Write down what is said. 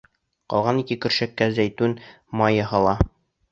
Ҡалған ике көршәккә зәйтүн майы һала.